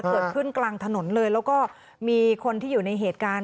เกิดขึ้นกลางถนนเลยแล้วก็มีคนที่อยู่ในเหตุการณ์